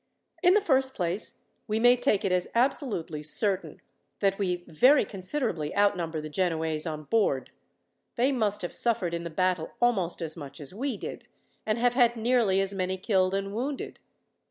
In the first place, we may take it as absolutely certain that we very considerably outnumber the Genoese on board. They must have suffered in the battle almost as much as we did, and have had nearly as many killed and wounded.